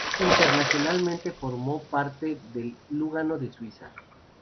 Internacionalmente formó parte del Lugano de Suiza.